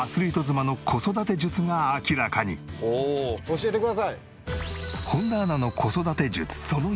教えてください！